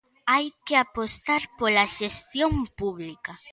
Hai que apostar pola xestión pública.